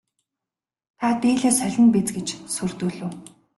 Та дээлээ солино биз гэж сүрдүүлэв.